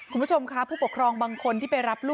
คุณผู้ชมค่ะผู้ปกครองบางคนที่ไปรับลูก